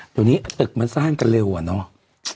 เดี๋ยวนี้ตึกมันสร้างกันเร็วอะเนาะ